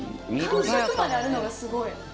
寒色まであるのがすごい。